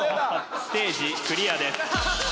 ステージクリアです